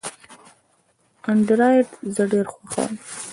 انډرایډ زه ډېر خوښوم.